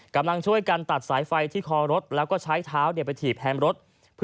กำลังช่วยกันตัดสายไฟที่คอรถแล้วก็ใช้เท้าไปถีบแฮมรถ